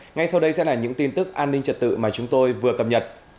ngay sau đây sẽ là những tin tức an ninh trật tự mà chúng tôi vừa cập nhật